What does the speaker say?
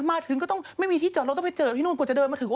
มาถึงก็ต้องไม่มีที่จอดรถต้องไปเจอที่นู่นกว่าจะเดินมาถึง